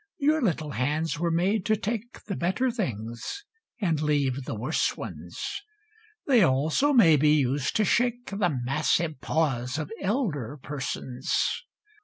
Your little hands were made to take The better things and leave the worse ones. They also may be used to shake The Massive Paws of Elder Persons.